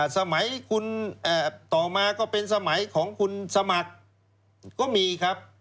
สมัยคุณต่อมาก็เป็นสมัยของคุณสมัครก็มีครับ